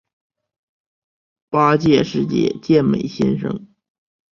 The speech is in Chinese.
八届世界健美先生。